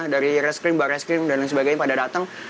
dari reskrim barreskrim dan lain sebagainya pada datang